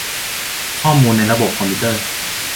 ข้อมูลในระบบคอมพิวเตอร์